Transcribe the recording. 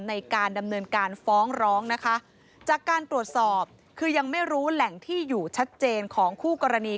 ในการดำเนินการฟ้องร้องนะคะจากการตรวจสอบคือยังไม่รู้แหล่งที่อยู่ชัดเจนของคู่กรณี